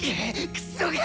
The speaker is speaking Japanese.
クソが！